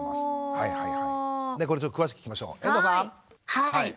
はい。